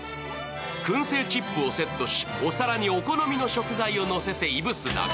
くん製チップをセットし、お皿にお好みの食材をのせていぶすだけ。